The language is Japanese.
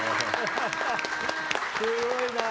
すごいなあ。